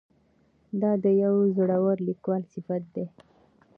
دا د یوه زړور لیکوال صفت دی.